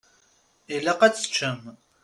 Ilaq ad teččemt.